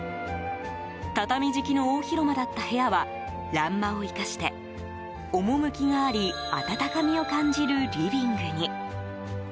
畳敷きの大広間だった部屋は欄間を生かして趣があり温かみを感じるリビングに。